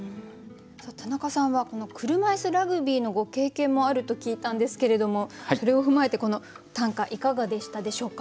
田中さんはこの車いすラグビーのご経験もあると聞いたんですけれどもそれを踏まえてこの短歌いかがでしたでしょうか？